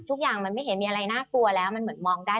ทุกอย่างมันไม่เห็นมีอะไรน่ากลัวแล้วมันเหมือนมองได้